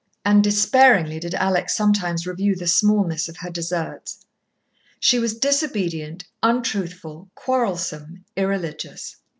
And despairingly did Alex sometimes review the smallness of her deserts. She was disobedient, untruthful, quarrelsome, irreligious.